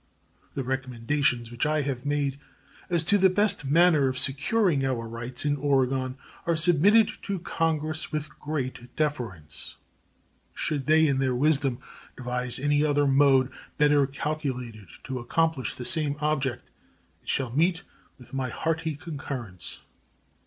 The recommendations which I have made as to the best manner of securing our rights in Oregon are submitted to Congress with great deference. Should they in their wisdom devise any other mode better calculated to accomplish the same object, it shall meet with my hearty concurrence.